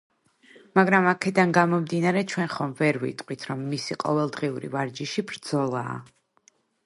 მაგრამ აქედან გამომდინარე ჩვენ ხომ ვერ ვიტყვით რომ მისი ყოველდღიური ვარჯიში ბრძოლაა.